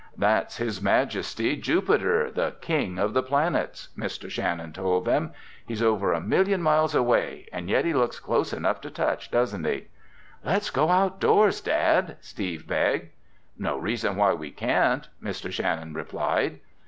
"That's His Majesty, Jupiter—the king of planets," Mr. Shannon told them. "He's over a million miles away and yet he looks close enough to touch, doesn't he?" "Let's go outdoors, Dad!" Steve begged. "No reason why we can't," Mr. Shannon replied.